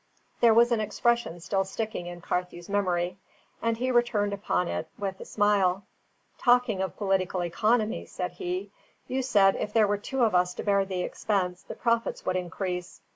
There was an expression still sticking in Carthew's memory, and he returned upon it with a smile. "Talking of political economy," said he, "you said if there were two of us to bear the expense, the profits would increase.